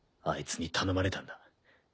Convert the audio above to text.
アイツに頼まれたんだ。